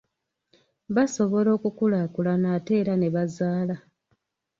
Basobola okukulaakulana ate era nebazaala.